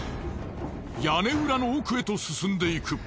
屋根裏の奥へと進んでいく。